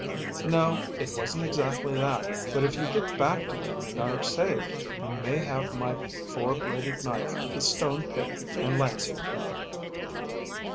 "No; it wasn't exactly that; but if you get back to them and are saved, you may have my four bladed knife with the stone pick and lancet in it."